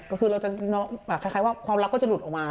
ก็คือเราจะคล้ายว่าความรักก็จะหลุดออกมา